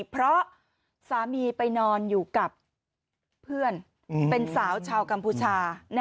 เพราะสามีไปนอนอยู่กับเพื่อนเป็นสาวชาวกัมพูชา